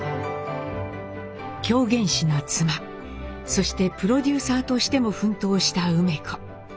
狂言師の妻そしてプロデューサーとしても奮闘した梅子。